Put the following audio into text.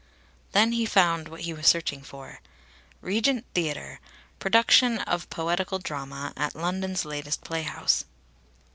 Then he found what he was searching for: "Regent Theatre. Production of poetical drama at London's latest playhouse."